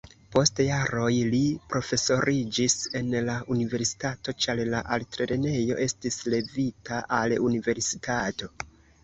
Post jaroj li profesoriĝis en la universitato, ĉar la altlernejo estis levita al universitato.